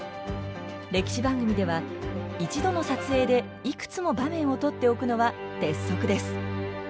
歴史番組では一度の撮影でいくつも場面を撮っておくのは鉄則です。